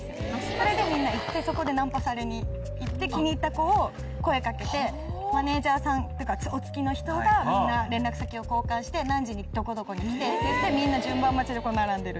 それでみんな行ってそこでナンパされに行って気に入った子を声かけてマネジャーさんとかお付きの人が連絡先を交換して何時にどこどこに来てって言ってみんな順番待ちで並んでる。